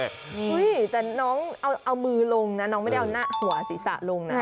แต่น้องเอามือลงนะน้องไม่ได้เอาหน้าหัวศีรษะลงนะ